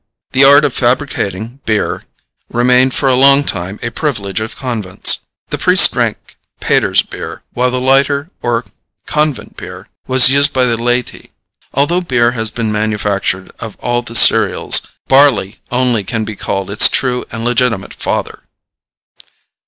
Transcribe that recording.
The art of fabricating beer remained for a long time a privilege of convents. The priests drank Pater's beer, while the lighter or convent beer was used by the laity. Although beer has been manufactured of all the cereals, barley only can be called its true and legitimate father.